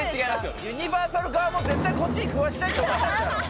ユニバーサル側も絶対、こっちに食わせたいって思ってるだろ。